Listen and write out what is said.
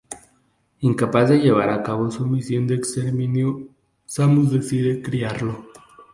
Incapaz de llevar a cabo su misión de exterminio, Samus decide criarlo.